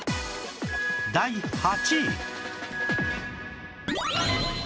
第８位